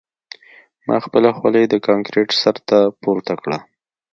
ما خپله خولۍ د کانکریټ سر ته پورته کړه